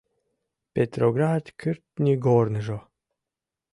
Петроград кӱртньыгорныжо -